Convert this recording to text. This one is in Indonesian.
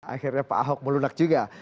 akhirnya pak ahok melunak juga